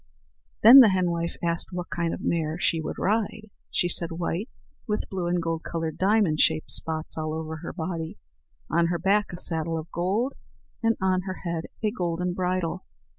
Then the henwife asked what kind of a mare she would ride. She said white, with blue and gold coloured diamond shaped spots all over her body, on her back a saddle of gold, and on her head a golden bridle.